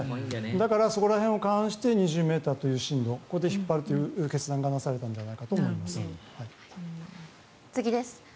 だから、そこら辺を勘案して２０ｍという深度引っ張るという決断がなされたのではないかと次です。